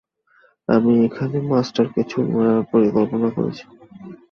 আমি এখানে মাস্টারকে ছুরি মারার পরিকল্পনা করেছি।